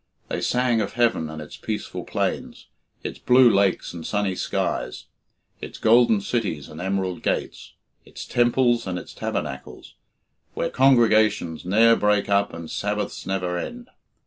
They sang of heaven and its peaceful plains, its blue lakes and sunny skies, its golden cities and emerald gates, its temples and its tabernacles, where "congregations ne'er break up and Sabbaths never end."